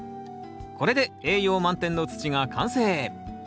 これで栄養満点の土が完成。